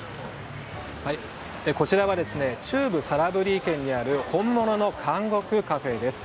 こちらは中部サラブリー県にある本物の監獄カフェです。